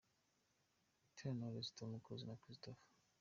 Butera Knowless, Tom Close na Christopher.